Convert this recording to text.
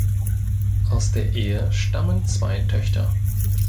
Aus der Ehe stammen zwei Töchter.